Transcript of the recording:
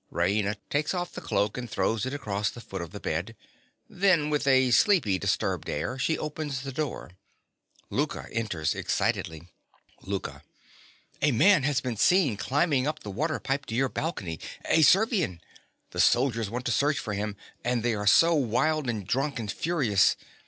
Raina takes off the cloak and throws it across the foot of the bed. Then with a sleepy, disturbed air, she opens the door. Louka enters excitedly._) LOUKA. A man has been seen climbing up the water pipe to your balcony—a Servian. The soldiers want to search for him; and they are so wild and drunk and furious.